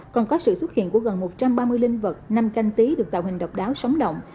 còn có sự xuất hiện của gần một trăm ba mươi linh vật năm canh tí được tạo hình độc đáo sóng động